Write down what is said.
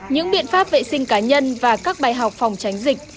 những biện pháp vệ sinh cá nhân và các bài học phòng tránh dịch